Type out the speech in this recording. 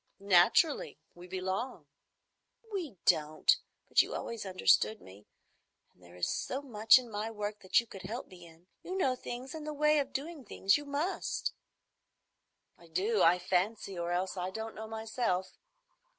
"Naturally. We belong." "We don't; but you always understood me, and there is so much in my work that you could help me in. You know things and the ways of doing things. You must." "I do, I fancy, or else I don't know myself.